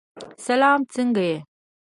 سلام! څنګه یې؟